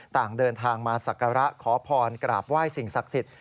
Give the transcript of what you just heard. ต่างเดินทางมาศักระขอพรกราบไหว้สิ่งศักดิ์สิทธิ